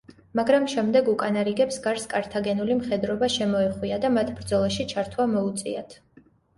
მაგრამ შემდეგ უკანა რიგებს გარს კართაგენული მხედრობა შემოეხვია და მათ ბრძოლაში ჩართვა მოუწიათ.